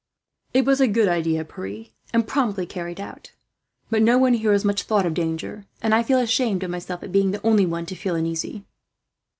"It was a good idea, Pierre, and promptly carried out. But no one here has much thought of danger, and I feel ashamed of myself at being the only one to feel uneasy."